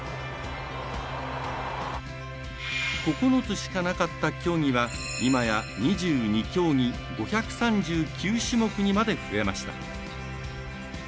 ９つしかなかった競技はいまや２２競技５３９種目にまで増えました。